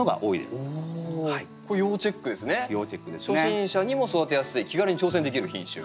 初心者にも育てやすい気軽に挑戦できる品種。